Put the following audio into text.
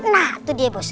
nah itu dia bos